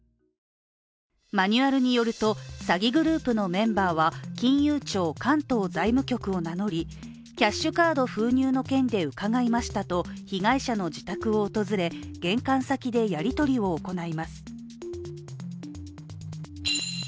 マニュアルによると詐欺グループのメンバーは金融庁関東財務局を名乗りキャッシュカード封入の件で伺いましたと被害者の自宅を訪れ、玄関先でやり取りを行います。